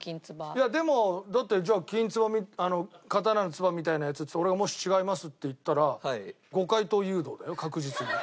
いやでもだってじゃあきんつば刀のツバみたいなやつって言って俺がもし違いますって言ったら誤解答誘導だよ確実に。